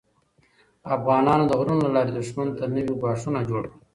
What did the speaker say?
افغانانو د غرونو له لارې دښمن ته نوي ګواښونه جوړ کړل.